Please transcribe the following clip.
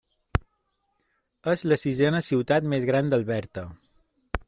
És la sisena ciutat més gran d'Alberta.